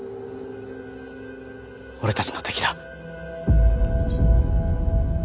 俺たちの敵だ。